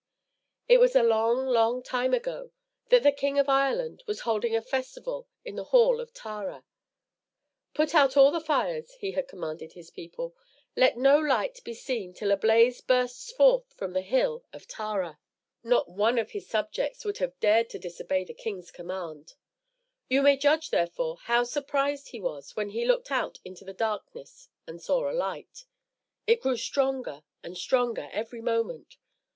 It was a long, long time ago that the King of Ireland was holding a festival in the Hall of Tara. "Put out all the fires," he had commanded his people. "Let no light be seen till a blaze bursts forth from the hill of Tara." Not one of his subjects would have dared to disobey the king's command. You may judge, therefore, how surprised he was when he looked out into the darkness and saw a light. It grew stronger and stronger every moment.